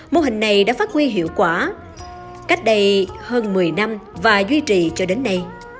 mô hình này đã phát huy hiệu quả cách đây hơn một mươi năm và duy trì cho đến nay